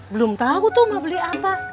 belum tahu tuh mau beli apa